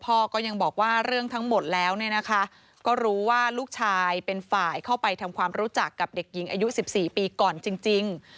พ่อก็ยังบอกว่าเรื่องทั้งหมดแล้วรู้ว่าลูกชายเป็นหนูเข้าไปทำความรู้จักกับกับเด็กยิงอายุ๑๔ปีก่อนจริง